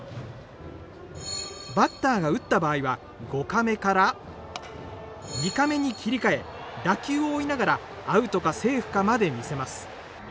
バッターが打った場合は５カメから２カメに切り替え打球を追いながらアウトかセーフかまで見せます。